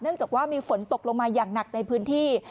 จากว่ามีฝนตกลงมาอย่างหนักในพื้นที่